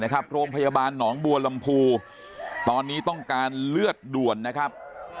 โรงพยาบาลหนองบัวลำพูตอนนี้ต้องการเลือดด่วนนะครับ